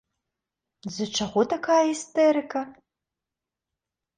З-за чаго такая істэрыка?